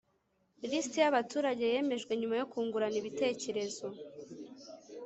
Lisiti y’abaturage yemejwe nyuma yo kungurana ibitekerezo